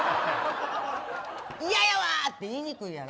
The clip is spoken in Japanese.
いややわ！って言いにくいやろ。